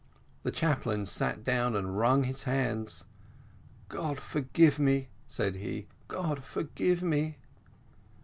The chaplain sat down and wrung his hands "God forgive me!" said he, "God forgive me!"